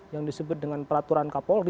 yang disebut dengan peraturan kapolri